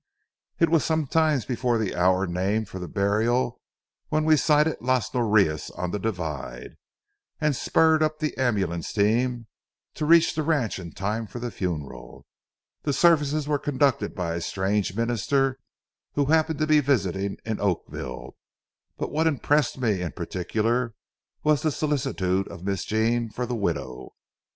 It was some time before the hour named for the burial when we sighted Las Norias on the divide, and spurred up the ambulance team, to reach the ranch in time for the funeral. The services were conducted by a strange minister who happened to be visiting in Oakville, but what impressed me in particular was the solicitude of Miss Jean for the widow.